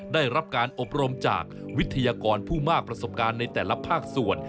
ได้รับการอบรมจากวิทยากรผู้มากประสบการณ์ในแต่ละภาคส่วน